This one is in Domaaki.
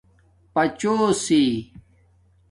پاچوسی